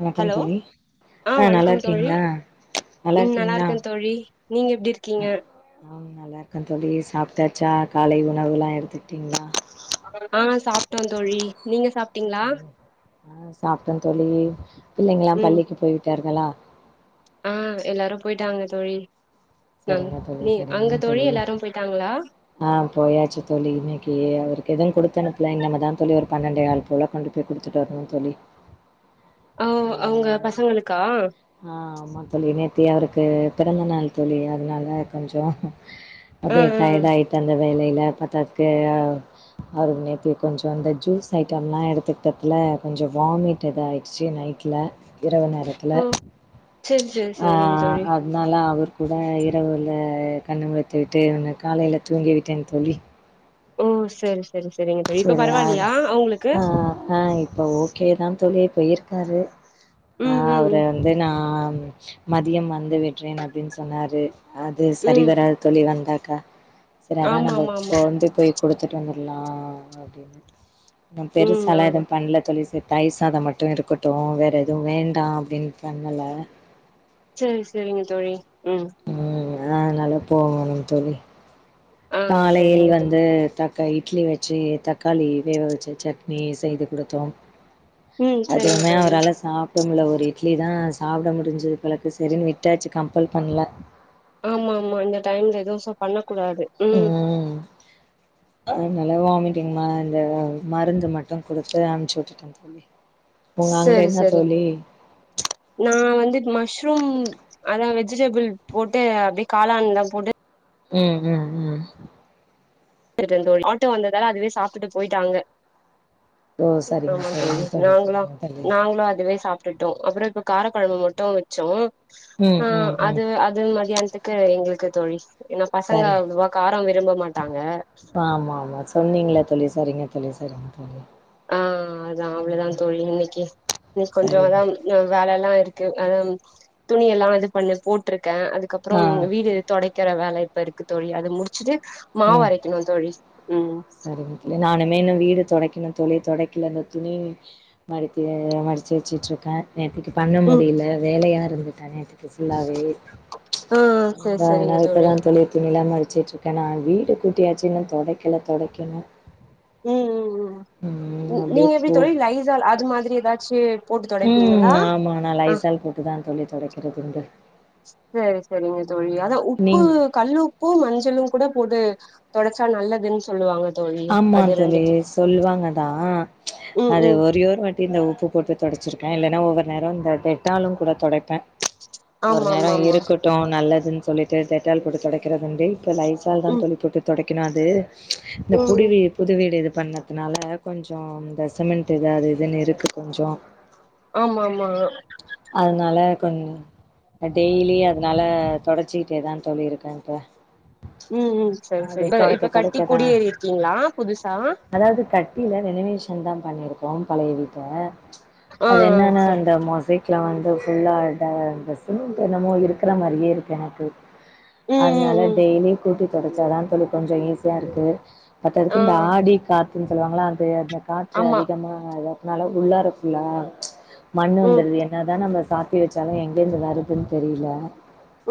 வணக்கம் ஹலோ தோழி ஆ நல்லாருக்கீங்ளா உம் நல்லாருக்கே தோழி நீங்க எப்டிருக்கீங்க ஆம் நல்லா இருக்க தோழி சாப்ட்டாச்சா காலை உணவுலா எடுத்துட்டீங்ளா ஆ சாப்ட்டோ தோழி நீங்க சாப் சரி ஆ சாப்ட்டோ தோழி பிள்ளைங்லா ம் பள்ளிக்கு போய் விட்டார்களா ஆ எல்லாரு போய்டாங்க தோழி நாங்க சரிங்க தோழி நீங்க சரிங்க அங்க தோழி எல்லாரு போயிட்டாங்களா ஆ போயாச்சு தோழி இன்னிக்கு அவருக்கு எது குடுத்த அனுப்புல இன்னமதா தோழி ஒரு பன்னெண்டேகால் போல கொண்டுப் போய் குடுத்துட்டு வர்ணு தோழி ஆ அவங்க ஆ பசங்களுக்கா ஆ ஆமா தோழி நேத்தியே அவருக்கு பிறந்த நாள் தோழி அதனால கொஞ்சோ ஆ அப்டியே ஆ டயர்ட் ஆயிட்ட அந்த வேலைல பத்தாதுக்கு அவ் அவரு நேத்தியே கொஞ்சோ அந்த ஜூஸ் ஐட்டம்லா எடுத்துக்கிட்டத்துல கொஞ்சோ வாமிட் எதாய் ச்சு நைட்ல இரவு நேரத்துல ஓ செரி செரி ம்ச் செரிங்க ஆஆ தோழி அத் னால அவர் கூட இரவுல கண்ணு முழித்து விட்டு இருந்து காலைல தூங்கி விட்டேன் தோழி ஓ சரி சரி சரிங்க தோழி இப்ப பரவால்லையா அவுங்களுக்கு ஆஆ இப்ப ஓகேதா தோழி போயிருக்காரு ஆ ம் ம் அவரு ம் வந் ந்து நா மதியம் வந்து வெட்றேன் அப்டின் சொன்னாரு அது சரி ம் வராத் தோழி வந்தாக்கா செரி அதா ஆமா நம்ப ஆமா ஆமா கொண்டு போய் குடுத்துட்டு வந்துலா அப்டினு ந ம் ஆ பெருசால எதும் பண்ல தோழி சே தயிர் சாதம் மட்டு இருக்கட்டு வேறு எதுவு வேண்டா அப்டின் பண்ணல செரி செரிங்க தோழி ம் ம் அதனால போகணு தோழி ஆ காலையில் செரிங்க தோ வந்து தக் க இட்லி வெச்சு தக்காளி வேக வெச்ச சட்னி செய்து குடுத்தோம் ம் செரிங்க அதுவுமே தோழி அவரால சாப் ட முல்ல ஒரு இட்லி தா சாப்ட முடிஞ்சது போலக்கு சரின்னு விட்டாச்சு கம்பல் பண்ல ஆமா ஆமா இந்த டைம்ல ஏதோச பண்ண கூடாது உம் உம் அதனால வாமிட்டிங் இந்த மருந்து மட்டும் குடுத்து அனுப்ச்சு விட்டுட்டே தோழி உங்க அங்க சேரி என்ன சேரி தோழி நா வந்து மஷ்ரூம் அதா வெஜிடபிள் போட்டு அப்டியே காளான் தா போட்டு உம் உம் உம் ஆட்டோ வந்ததால அதுவே சாப்டுட்டு போயிட்டாங்க ஓ அப்புறோ சரிங்க தோழி சரிங்க நாங்களு சரிங்க தோழி நாங்களு அதுவே சாப்ட் ட்டுட்டோ அப்புற இப்ப காரக்குழம்பு மட்டு வச்சோம் ம் ஆ ம் ம் அது அது மதியானத்து க்கு எங்களுக்கு தோழி ஏன்னா பசங்க சரி அவ்ளவா காரம் விரும்ப மாட்டாங்க ஆமா ஆமா சொன்னீங்கள தோழி சரிங்க தோழி சரிங்க தோழி ஆ அதா அவ்ளதா தோழி இன்னிக்கு இனிக் கொஞ்சோ சரிங்க அதா இன்னு வேலலா இருக்கு அதா துணியெல்லா இது பண்ணி போட்டுருக்க அதுக்கப்புறோ ஆ வீடு தொடைக்கிற வேல இப்ப இருக்கு தோழி அத முடிச்சுட்டு மாவு அரைக்குணு தோழி ம் சரிங் நானுமே இன்னு வீடு தொடைக்கணு‌ தோழி தொடைக்கல இந்த துணி மடித்து மடிச்சு வச்சுட்டு இருக்க நேத்திக்கு பண்ண ம் முடியல வேலயா இருந்துட்ட நேத் ஃபுல்லாவே ஆ செரி அதா செரிங்க இப்பதா தோழி துணிலா மடிச்சுட்டுருக்க நா வீடு கூட்டியாச்சு இன்னும் தொடைக்கல தொடைக்கணு ம் ம் ம் அப்டியே நீங்க எப்படி போ தோழி லைசால் அது மாதிரி எதாச்சு உம் ஆமா நா லைசால் போட்டுதா தோழி தொடைக்கிறது இங்க சேரி சுரிங்க தோழி அத உப்பு நீங் கல் உப்பும் மஞ்சளும் கூட போட்டு தொடைச்சா நல்லதுன் சொல்லுவாங்க தோழி ஆமா அது தோழி ரெண்டுக்கு சொல்லுவாங்க தா ம் அது ம் ஒரே ஒரு வாட்டி இந்த உப்பு போட்டு தொடைச்சிருக்கே இல்லனா ஒவ்வொரு நேரம் இந்த டெட்டாலும் கூட தொடைப்பே ஒரு ஆமா ஆமா நேரம் ஆமா இருக்கட்டும் நல்லதுன் சொல்லிட்டு டெட்டால் போட்டு தொடைக்கிறதுண்டு இப்ப லைசால் தா ம் தோழி போட்டு தொடைக்கிற அது இந்த ம் புடிவி புதுவீடு இது பண்ணதுனால கொஞ்சோ இந்த சிமெண்ட் இது அது இதுன்னு இருக்கு கொஞ்சோ ஆமா ஆமா அதனால கொஞ் டெய்லி அதனால தொடச்சிக்கிட்டேதா தோழி இருக்கே இப்ப ம் ம் சரி சரி அது இப்ப தொடைக்க இப்ப கட்டி தொடைக்க தா குடியேறி இருக்கீங்களா புதுசா அதாவது கட்டி இல்ல எலிவேஷன் தான பண்ணிருக்கோம் பழைய வீட்ட ஆ ஆ அது என்னன்ன சரி அந்த மொசைக் ல வந்து ஃபுல்லா ட சிமெண்ட் என்னமோ இருக்குற மாதிரியே இருக்கு எனக்கு ம் ம் அதனால ம் டெய்லி கூட்டி தொடைச்சாதா தோழி கொஞ்சோ ஈஸியா இருக்கு பத்தாதுக்கு ஆ இந்த ஆடி காத்துன் சொல்லுவாங்கள அது அந்த காற்று ஆமா அதிகமா வள ஃபுல்லா இருக்குல்லா மண்ணு ம் வந்துடுது என் என்ன தா நம்ம சாத்தி வச்சாலும் எங்கேருந்து வருதுன்னு தெரியல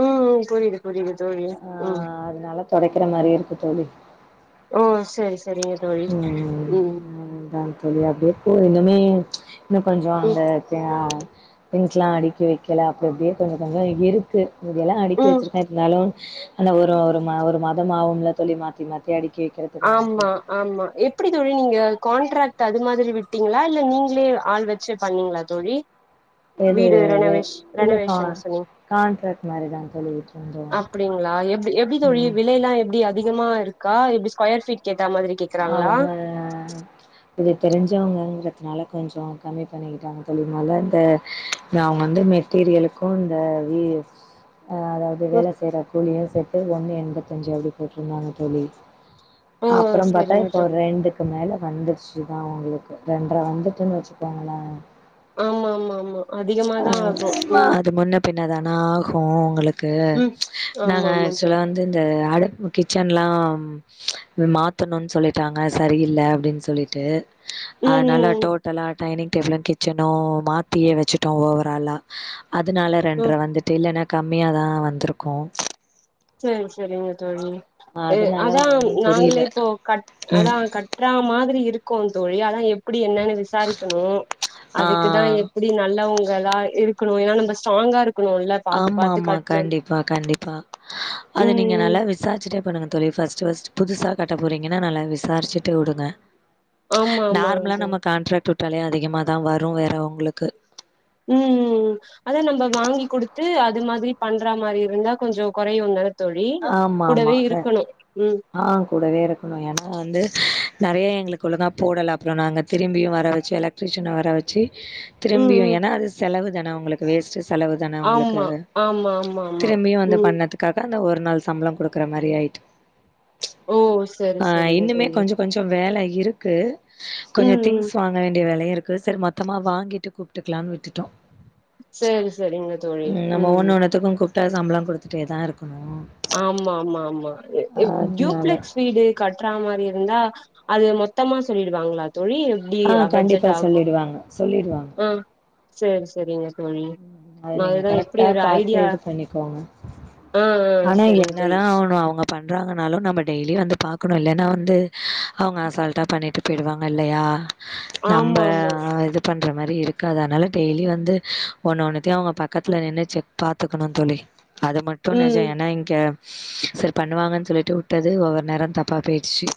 உம் ம் புரியுது புரியுது தோழி ஆ ம் அதனால தொடைக்கிற மாதிரி இருக்கு தோழி உ சரி சரிங்க தோழி உம் சொல்லி அப்டியேப்போ இன்னுமே இன்னு கொஞ்சம் ம் அந்த தே ஆ திங்ஸ்லா அடுக்கி வெக்கல அப்டி அப்டியே கொஞ்ச கொஞ்சோ இருக்கு மீதியெல்லாம் அடுக்கி ம் வச்சுருக்கே இருந்தாலும் அந்த ஒரு ஒரு ஒரு மாதம் ஆஹும்ல தோழி மாத்தி மாத்தி அடுக்கி வைக்கிற ஆம்மா ஆமா எப்டி தோழி நீங்க கான்ட்ராக்ட் அது மாதிரி விட்டீங்களா இல்ல நீங்களே ஆள் வச்சு பண்ணீங்ளா தோழி [inaudible] வீடு வே ரெணவேஷ் இல்ல கா ரெணவேஷன்னு சொன்னிங் கான்ட்ராக்ட் மாரிதா தோழி விட்ருந்தோ அப்டிங்ளா எப் எப்டி தோழி ம் விலை எல்லா எப்டி அதிகமா இருக் கா எப்டி ஸ்கொயர்பீட் கேத்த மாரி கேக் அவுங்க இது தெரிஞ்சவங்கங்கிறதுனால கொஞ்சோ கம்மி பண்ணிக்கிட்டாங்க தோழி நல்ல இந்த அவங்க வந்து மெட் ட்டீரியளுக்கு இந்த வீ ஆஹ் அதாவது ம் வேலை செய்யற கூலியும் சேத்து ஒண்ணு எண்பத்தஞ்சு அப்டி போட்டிருந்தாங்க தோழி ஓ அப்புறம் பாத்தா சரிங்க இப்போ தோழி ஒரு ரெண்டுக் க்கு மேல வந்துடுச்சுதா உங்களுக்கு ரெண்டரை வந்துட்டுன்னு வச்சுக்கோங்களே ஆமா ஆமா ம் அதி அதிகமாதா ஆகு அஹ் மா அது முன்ன பின்ன தான ஆகும் உங்களுக்கு ம் நாங்க ஆமா ஆமா தோழி ஆக்சுவலா வந்து இந்த அடுப்பு கிச்சன்ல்லா மாத் தனும்னு சொல்லிட்டாங்க சரியில்ல அப்டின் சொல்லிட்டு ம் அதனால ம் டோட் டலா டைனிங் டேபிளு கிச்சனு மாத்தியே வச்சுட்டோ ஓவராலா அதனால ம் ரெண்டரை வந்துட்டு இல்லைன்னா கம்மியா தா வந்திருக்கு சேர் செரிங்க தோழி ம் அதனால அதா ஒன்னு நாங்களே புரில இப்போ கட் ம் அதா கட் ட்ற மாதிரி இருக்கும் த தோழி அதான் எப்டி என்னன்னு விசாரிக்கணு அதுக்குதா ஆ எப் டி நல்லவங்களா இருக்கணு ஏன்னா நம்ம ஸ்ட்ராங்கா இருக்கணுல்ல பாத்து ஆமா பாத்து ஆமா கட்ற கண்டிப்பா கண்டிப்பா அது ம் நீங்க ம் நல்லா விசாரிச்சுட்டே பண்ணுங்க தோழி ஃபஸ்ட் ஃபஸ்ட் புதுசா கட்ட போறீங்கன்னா நல்ல விசாரிச்சுட்டு வுடுங்க ஆமா ஆமா நார்மலா தோழி நம்ம கான்ட்ராக்ட் வுட்டாலே அதிகமாதா வரு வேற உங்களுக்கு உம்ம் அத நம்ம வாங்கி கொடுத்து அது மாதிரி பண்ற மாரி இருந்தா கொஞ்சோ குறையுதான தோழி கூடவே இருக்கணு உம் ஆஹ் கூடவே இருக்கணு ஏனா வந்து நெறைய எங்களுக்குள்ளதா போடல அப்புறம் நாங்க திரும்பியும் வர வெச்சு எலக் ட்ரிசியன் வர வெச்சு ம் திரும்பியும் ம் ஏனா அது செலவு தான அவங்களுக்கு வேஸ்ட் செலவு தான அவங்களுக்கு ஆமா ஆமா ஆமா ஆமா திரும்பியும் வந்து ம் பண்ணதுக் காக ஒரு நாள் சம்பளம் கொடுக்கற மாரி ஆயிட்டு ஓ சரி ஆஹ் சரிங்க இன்னுமே தோழி கொஞ்சம் கொஞ்சம் வேலை இருக்கு கொஞ்சோ ம் ம் திங்ஸ் வாங்க வேண்டிய வேலையும் இருக் கு சரி மொத்தமா வாங்கிட்டு கூப்பிட்டுக்கலாம்னு விட்டுட்டோ சரி சரிங்க தோழி உம் ம் விட்டா சம்பளம் கொடுத்துட்டே தா இருக்கணு ஆமா ஆமா ஆமா அதனால டுயூப்ளெக்ஸ் வீடு கட்ற மாரி இருந்தா அது மொத்தமா சொல்லிடுவாங்ளா தோழி எப்டி ஆ கண்டிப்பா பட்ஜெட் ஆகும் சொல்லிடுவாங்க சொல்லிடுவாங்க. ஆஹ் சேரி செரிங்க தோழி அத நீங்க அதுதா எப்டி கரெக்டா ஒரு பாத்து ஐடியா இது அஹ்ஆன் என்னதா அவுரு அவங்க பண்றாங்கன்னாலு நம்ம டெய்லி வந்து பாக்கணும் இல்லைன்னா வந்து அவங்க அசால்டா பண்ணிட்டு போயிடுவாங்க இல்லையா ஆமா நம்ம ஆமா இது பண்ற மாரி இருக்காது அனால டெய்லி வந்து ஒன்னு ஒன்னத்தையும் அவங்க பக்கத்தில நின்னு செக் பாத்துக்கணு தோழி அது மட்டு ம் நெஜம் ஏனா இங்க செரி பண்ணுவாங்கன்னு சொல்லிட்டு வுட்டது ஒவ்வொரு நேரம் தப்பா போயிடுச்சு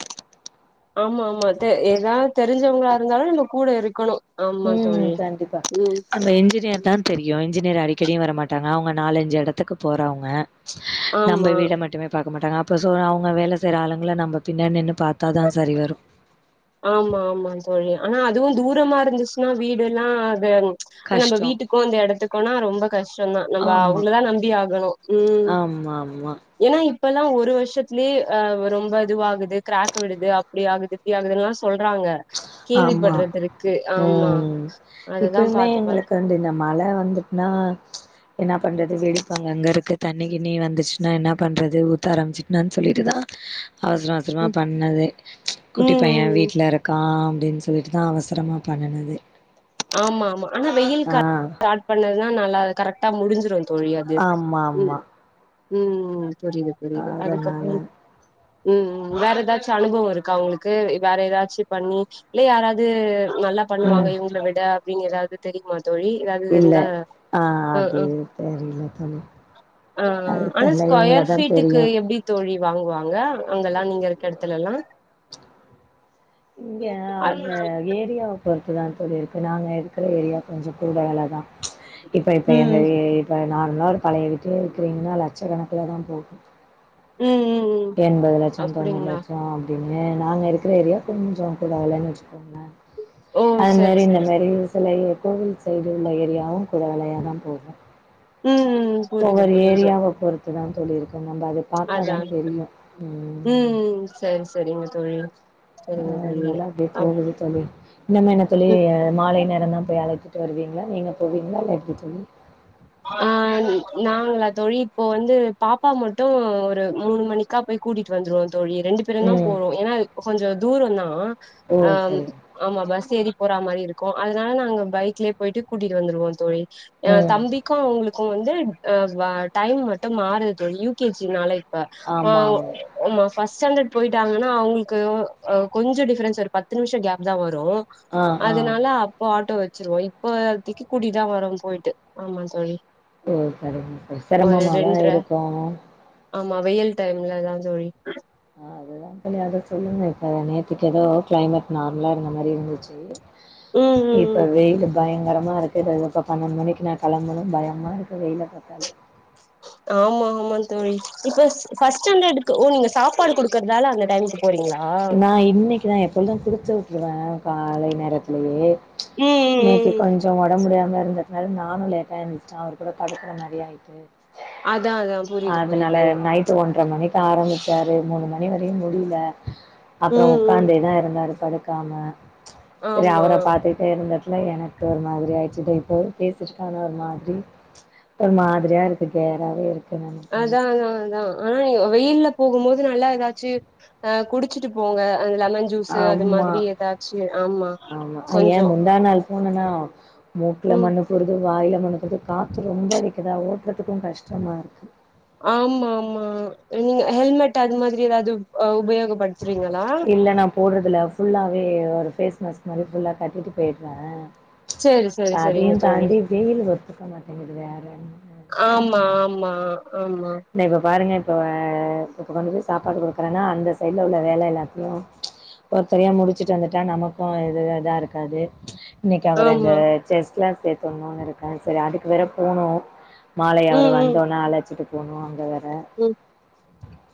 ஆமா ஆமா தெ ஏதாவது தெரிஞ்சவங்களா இருந்தாலு நம்ம கூட இருக்கணு ஆமா உம் தோழி கண்டிப்பா ம் நம்ம என்ஜினியர் தான் தெரியு இன்ஜினியர் அடிக்கடியு வர மாட்டாங்க அவங்க நாலஞ்சு எடத்துக்கு போறாவங்க ம்ச் நம்ப ஆமா வீட மட்டுமே பாக்க மாட்டாங்க அப் இப்ப சொல்ற அவங்க வேல செய்யிற ஆளுங்கள நம்ப பின்னாடி நின்னு பாத்தா தா சரி வரு ஆமா ஆமாங் தோழி அனா அதுவு தூரமா இருந்துச்சுன்னா வீடுலா அதும் ம்ச் அ நம்ப கஷ்டோ வீட்டுக்கு இந்த எடத்துக்குனா ரொம்ப கஷ்டோதா நம்ப ஆமா அவங்களதா நம்பி ஆகணு ம் ஆமா ஆமா ஏன்னா இப்பல்லா ஒரு வருஷத்துலேயே அ ஒரு ரொம்ப இதுவாகுது கிராக் விடுது அப்டி ஆகுது இப்டி ஆகுது எல்லா சொல்றாங்க கேள்வி ஆமா. படுறது இருக்கு ஆமா ம். அததா இப்பயுமே பாத்து பாத் எங்களுக்கு வந்து இந்த மழ வந்துட்னா ம்ச் என்னா பண்ணுறது வேடிப்பாங்கங்க இருக்கு தண்ணி கிண்ணி வந்துச்சுனா என்னா பண்ணுறது ஊத்த ஆரம்மிச்சிட்னான் சொல்லிட்டு தா அவசரோ அவசரமா ம் பண்ணதே ம்ச் குட்டி ம் ம் பையன் ம். வீட்ல இருக் கா அப்டின்னு சொல்லிட்டு தா அவசரமா பண்ணுனதே ஆமா ஆமா ஆனா வெயில் காட் காட் பண்ணதுதா நல்லா கரெக்டா முடிஞ்சிரு அத் தோழி அது ஆமா ம் ஆமா. ம்ம் புரியுது புரியுது அதனால அதுக்கப்றோ உம்ம் வேற ஏதாச்சும் அனுபவம் இருக்கா உங்களுக்கு வேற ஏதாச்சும் பண்ணி இல்ல யாராது நல்லா பண்ணுவாங்க ம் இவங்கள விட அப்டின்னு ஏதாவது தெரியுமாத் தோழி எதாவது இல்ல. இருந்தா ஆ ம் அது ம் தெரில தோழி. ஆஆ அது ஆனா தெர்ல இவங்கள ஸ்கொயர் தான் ஃபீட்டுக்கு தெரியு. எப்டி தோழி வாங்குவாங்க அங்கல்லா நீங்க இருக்க எடத்துலெல்லா இங்க அவுங்க ஏரியாவ் பொறுத்து தா தோழி இருக்கோ நாங்க இருக்கிற ஏரியா கொஞ்சோ கூட வெல தா ம்ச் இப்ப இப்ப எங்க ம் வீட் ப்ப நார்மலா ஒரு பழைய வீட்லயே இருக்கிறீங்னா லட்சக்கணக்குல தா போகு ம் ம் ம் எண்பது லட்சோ தொண்ணூறு அப்டிங்களா லட்சோ ஆப் துமே நாங்க இருக்கிற ஏரியா கொஞ்சோ கூட வெலன்னு வச்சுக்கோங்களே ஓ அது சரி மாரி இந்த சரி மாரி சில ஏ கோவில் சைடு உள்ள ஏரியாவு கூட வெலையாதா போகு ம் ம் ம் ஒவ்வொரு ஏரியாவ பொறுத்துதா தோழி இருக்கு நம்ப அத பாத்தாதா அதா தெரியு ம் சேரி சேரிங்க தோழி சரிங்க அ தோழி அதனால அப்டியே அ போகுது தோழி இன்னும் என்ன தோழி அ மாலை நேரோ தா போய் அழைத்துட்டு வருவீங்களா நீங்க போவீங்களா இல்ல எப்டி தோழி ஆ நாங்களா தோழி இப்போ வந்து பாப்பா மட்டு ஒரு மூணு மணி க்க போய் கூட்டிட் வந்துருவோ தோழி ரெண்டு பேருந்தா ம். போறோ ஏனா கொஞ்ச தூரந்தா ஓ! அ சரிங்க. ஆமா பஸ் ஏறி போற மாரி இருக்கு அதனால நாங்க பைக்லயே போயிட்டு கூட்டிட்டு வந்துருவோ தோழி ம். தம்பிக்கு அவங்களுக்கு வந்து டைம் மட்டு மாறுது தோழி யூ கே ஜி னால அ ஆமா, ஆமா. ஃபஸ் ஸ்டாண்டர் போயிட்டாங்கன்னா அவங்களுக்கு கொஞ்ச டிஃபரன்ஸ் ஒரு பத்து நிமிஷ கேப் தா வரு ஆ, ஆ. அதுனால அப்போ ஆட்டோ வச்சிருவோ இப்போதைக்கு கூட்டிதா வருவோ போய்ட்டு ஆமா தோழி ஓ சரிங்க ஒரு செரமமாதா ரெண்ட்ர இருக்கு ஆமா வெயில் டைம்ல அதா தோழி அதுதா அத சொல்லுங்க இப்ப நேத்துக்கு எதோ க்ளைமேட் நார்மலா இருந்த மாரி இருந்துச்சு ம் ம் இப்ப ம் வெயிலு பயங்கரமா இருக்குது இப்போ பன்னெண்டு மணிக்கு நா கெளம்பணும் பயமா இருக்கு வெயில பாத்தா ஆமா ஆமா தோழி இப்ப ஃபஸ்ட் ஸ்டாண்டர்கு ஓ நீங்க சாப்பாடு குடுக்குறதால அந்த டைமுக்கு போறீங்ளா நா இன்னைக்குதா எப்பொழுது குடுத்து வுட்ருவே காலை நேரத்திலயே ம் ம் இன்னைக்கு ம் கொஞ்ச கொஞ்ச ஒடம்பு முடியாம இருந்ததுனால நானு லேட்டா எந்துருச்சே அவரு கூட படுக்குற மாரி ஆயிட்டு அதா அதா புரியுது அதனால புரியுது நைட்டு ஒன்ற மணிக்கு ஆரம்பிச்சாரு மூணு மணி வரையு முடில அப்ற ம் ம் உக்காந்தேதா இருந்தாரு படுக்காம சரி ஆமா அவர பாத்துட்டே இருந்ததுல எனக்கு ஒரு மாரி ஆய்ச்சு இப்போ பேசிக்கான ஒரு மாதிரி ஒரு மாதிரியா இருக்கு கேராவே இருக்கு நமக்குமே அதா அதா அதா ஆனா நீ வெயில்ல போகும் போது நல்லா எதாச்சு அ குடிச்சுட்டு போங்க அந்த லெமன் ஜூஸு அது ஆமா மாதிரி ஏதாச்சு ஆமா ஆமா கொஞ்சோ ஏன் முந்தா நாள் போனனா மூக்குல ம் மண்ணு டுது வாயில மண்ணு போது காத்து ரொம்ப அடிக்குதா ஓட்றதுக்கு கஷ்டமா இருக்குது ஆமா ஆமா நீங்க ஹெல்மெட் அது மாதிரி எதாவது உபயோக இல்லனா போட்றதில்ல ஃபுல்லாவே ஒரு ஃபேஸ் மாஸ்க் மாரி ஃபுல்லா கட்டிட்டு போய்ட்ற சேரி சேரி அதையு சேரிங்க தோழி தாண்டி வெயில் ஒத்துக்க மாட்டேங்குது வேற ஆமா ஆமா ஆமா இப்போ பாருங்க இப்போ இப்போ கொண்டு போய் சாப்பாடு குடுக்குறேன்னா அந்த சைட்ல உள்ள வேல எல்லாத்தையு ஒருத்தரையா முடிச்சுட்டு வந்துட்டா நமக்கு இது இதா இருக்காது இன்னைக்கு அவர் ரெண்டு ஆமா செஸ்லா சேத்துணுனு இருக்கே சரி அதுக்கு வேற போணு மாலை அவர் ம் ம் வந்தோனே அழைச்சிட்டு போணு அங்க வேற ம்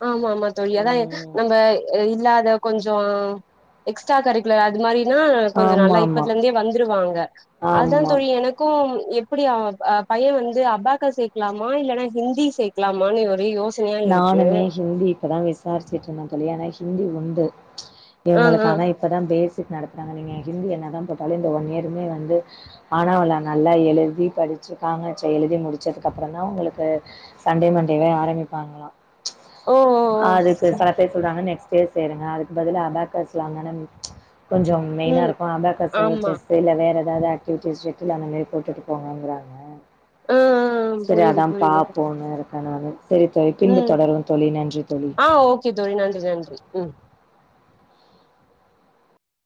ஆமா ஆமா தோழி அதா நம்ம இல்லாத கொஞ்சோ எக்ஸ்ட்ரா கரிக்குலர் அது மாரி ம் கொஞ்சோ நல்லா ஆமா ஆமா இப்பதுல இருந்தே வந்துருவாங்க அதுதா ஆமா தோழி எனக் க்கு எப்டி பையன வந்து அபாக்கஸ் சேக்கலாமா இல்லன்னா ஹிந்தி சேக்கலாமான் ஐயயோ ஸ் நானுமே ஹிந்தி இப்பதா விசாரிச்சுட்டு இருந்தே தோழி ஏன்னா ஹிந்தி உண்டு ஆ இவங்களுக்கு ஆ ஆனா இப்போதா பேசிக் நடத்துறாங்க நீங்க ஹிந்தி என்னதா போட்டாலு இந்த ஒன் இயருமே வந்து ஆனா அவள நல்லா எழுதி படிச்சு கா ங் கா ச எழுதி முடிச்சதுக்கு அப்பறம்தா உங்களுக்கு சண்டே மண்டேவே ஆரம்பிப்பாங்களா ஓ ஓ ஓ அதுக்கு சில பேர் சொல்றாங்க நெக்ஸ்ட் பே சேருங்க அதுக்கு பதில் அபாக்கர்ஸ்ல அங்கனம் கொஞ்சோ மெயினா ம் இருக்கு அபாக்கஸ் ஆமா செஸ்ஸு இல்ல வேற எதாவது ஆக்டிவிட்டிஸ் செட்டில் அந்தமாரி கூட்டிட்டு போங்கங்றாங்க ஆ ஆ செ ரி புரியுது அதா புரியுது பாப்போனு இருக் [inaudible] செரி தோழி பின்பு ம் தொடருவோ தோழி நன்றி தோழி [inaudible] தோழி நன்றி நன்றி ம்